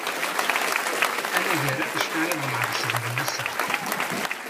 Anagar annect-a i ḍemɛeɣ seg-wen ass-a.